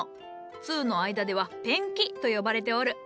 通の間では「ペンキ」と呼ばれておる。